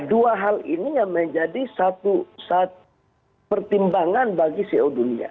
nah dua hal ini yang menjadi satu pertimbangan bagi co dua dunia